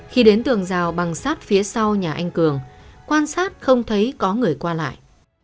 khi đến tường rào bằng sát phía sau nhà anh cường quan sát không thấy có người qua lại